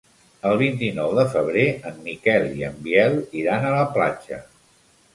El vint-i-nou de febrer en Miquel i en Biel iran a la platja.